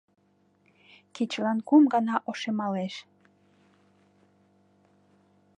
Кечылан кум гана ошемалеш.